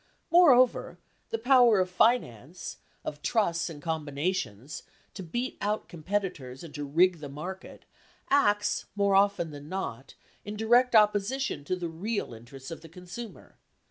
Moreover, the power of finance, of trusts and combinations, to beat out competitors and to rig the market, acts more often than not in direct opposition to the real interests of the consumer.